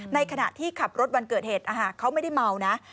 ในขณะที่ขับรถวันเกิดเหตุเขาไม่ได้เมานะ